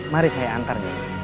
mari saya antar nyai